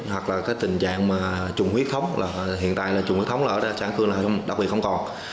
hoặc là cái tình trạng mà trùng huyết thống là hiện tại là trùng huyết thống là ở xã an khương là đặc biệt không còn